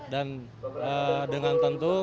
dan dengan tentu